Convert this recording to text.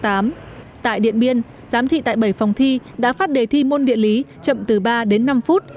tại điện biên giám thị tại bảy phòng thi đã phát đề thi môn điện lý chậm từ ba đến năm phút